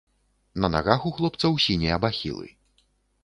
На нагах у хлопцаў сінія бахілы.